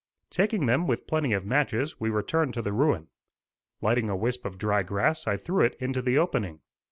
Taking them, with plenty of matches, we returned to the ruin. Lighting a wisp of dry grass, I threw it into the opening.